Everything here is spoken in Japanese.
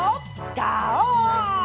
ガオー！